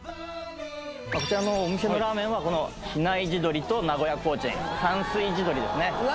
こちらのお店のラーメンはこの比内地鶏と名古屋コーチン山水地鶏ですね